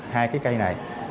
hai cái cây này